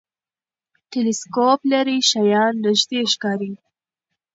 ټلسکوپ لرې شیان نږدې ښکاري.